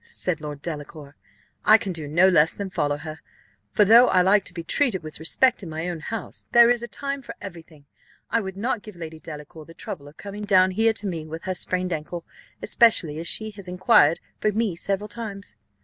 said Lord Delacour. "I can do no less than follow her; for though I like to be treated with respect in my own house, there is a time for every thing. I would not give Lady Delacour the trouble of coming down here to me with her sprained ankle, especially as she has inquired for me several times."